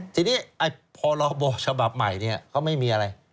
ทีนี้พรบฉบับใหม่เขาไม่มีอะไร